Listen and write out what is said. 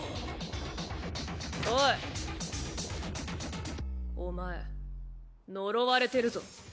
おいお前呪われてるぞ。